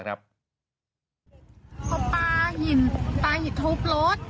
พอปลาหินปลาหินถูกลด